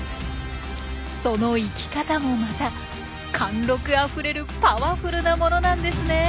その生き方もまた貫禄あふれるパワフルなものなんですねえ。